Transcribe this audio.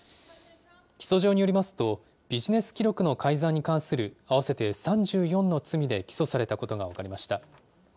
起訴状によりますと、ビジネス記録の改ざんに関する合わせて３４の罪で起訴されたことが分かりました。